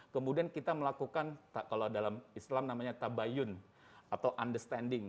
kemudian kita melakukan kalau dalam islam namanya tabayun atau understanding